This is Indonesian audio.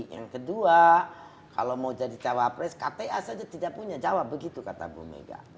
yang kedua kalau mau jadi cawapres kta saja tidak punya jawab begitu kata bu mega